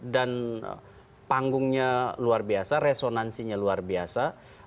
panggungnya luar biasa resonansinya luar biasa